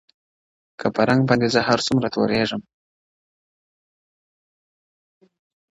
كه په رنگ باندي زه هر څومره تورېږم’